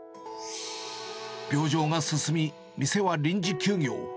病状が進み、店は臨時休業。